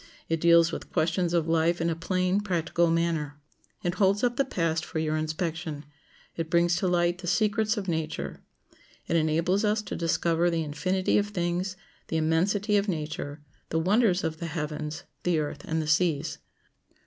It deals with questions of life in a plain, practical manner. It holds up the past for your inspection. It brings to light the secrets of nature. It enables us to discover the infinity of things, the immensity of nature, the wonders of the heavens, the earth, and the seas.